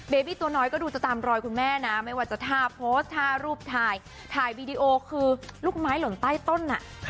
เบบี้ตัวน้อยก็ดูจะตามรอยคุณแม่นะไม่ว่าจะท่าโพสต์ท่ารูปถ่ายถ่ายวีดีโอคือลูกไม้หล่นใต้ต้นอ่ะ